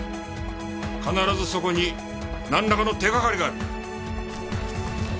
必ずそこになんらかの手がかりがある。